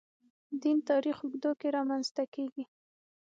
دین تاریخ اوږدو کې رامنځته کېږي.